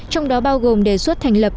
trong đó bao gồm đề xuất thành lập